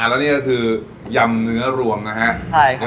แล้วนี่ก็คือยำเนื้อรวมนะฮะ